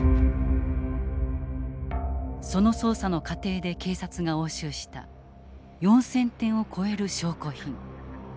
その捜査の過程で警察が押収した４，０００点を超える証拠品。